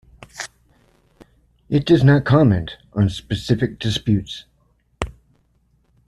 It does not comment on specific disputes.